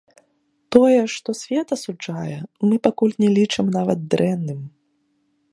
Тое, што свет асуджае, мы пакуль не лічым нават дрэнным.